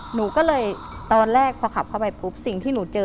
หนูก็เลยตอนแรกพอขับเข้าไปปุ๊บสิ่งที่หนูเจอ